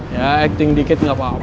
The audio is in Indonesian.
yah acting dikit nggak apa apa lah